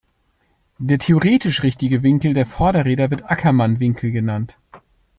Der theoretisch richtige Winkel der Vorderräder wird Ackermann-Winkel genannt.